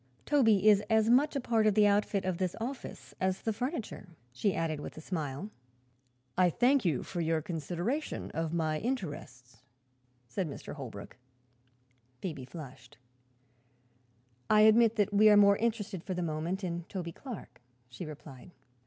Toby is as much a part of the outfit of this office as the furniture," she added with a smile. "I thank you for your consideration of my interests," said Mr. Holbrook. Phoebe flushed. "I admit that we are more interested, for the moment, in Toby Clark," she replied.